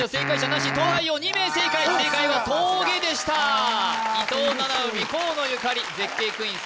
なし東大王２名正解正解は峠でした伊藤七海河野ゆかり絶景クイーン